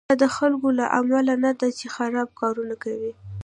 دا د هغو خلکو له امله نه ده چې خراب کارونه کوي.